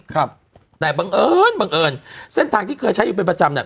ครับแต่บังเอิญบังเอิญเส้นทางที่เคยใช้อยู่เป็นประจำเนี่ย